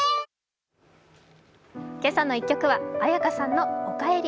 「けさの１曲」は絢香さんの「おかえり」。